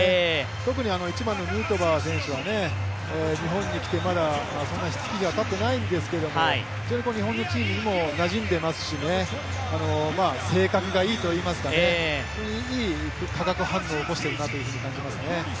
特に１番のヌートバー選手は日本に来て、まだそんなに月日はたっていないんですけど非常に日本のチームにもなじんでますし、性格がいいといいますか、いい化学反応を起こしているなと感じますね。